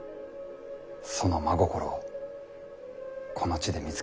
その真心をこの地で見つけられた気がする。